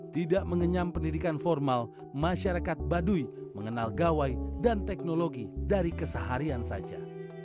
tidak mengenyam pendidikan formal masyarakat baduy mengenal gawai dan teknologi dari keseharian saja